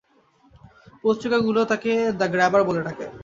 পত্রিকাগুলোও তাকে the grabber বলে ডাকে।